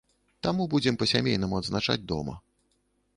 Таму будзем па-сямейнаму адзначаць дома.